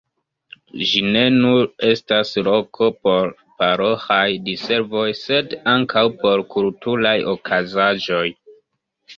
Ĝi ne nur estas loko por paroĥaj diservoj, sed ankaŭ por kulturaj okazaĵoj.